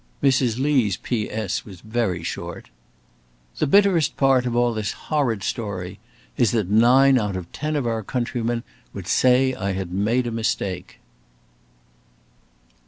Mrs. Lee's P.S. was very short "The bitterest part of all this horrid story is that nine out of ten of our countrymen would say I had made a mistake."